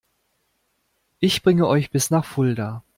Ich bringe euch bis nach Fulda